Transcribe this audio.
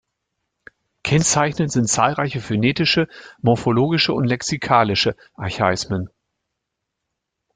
Kennzeichnend sind zahlreiche phonetische, morphologische und lexikalische Archaismen.